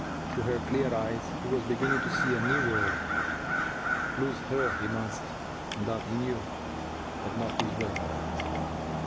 Through her clear eyes he was beginning to see a new world. Lose her he must, and that he knew; but not this way.